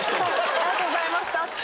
「ありがとうございました」って。